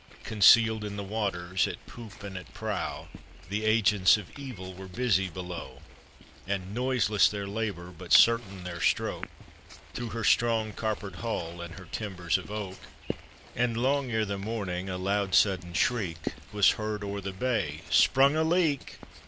Coiiceul'd in the waters, at poop and at prow, The agents of evil were busy below; And noiseless their labor, but certain their stroke. Through her strong copper'd hull, and her timber* of oak. And long ere the morning, a loud sudden shriek Was heard o'er the bay, "Sprung a leak!